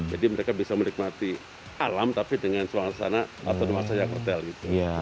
jadi mereka bisa menikmati alam tapi dengan ruangan sana atau rumah saya hotel gitu